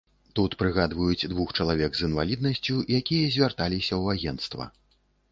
Тут прыгадваюць двух чалавек з інваліднасцю, якія звярталіся ў агенцтва.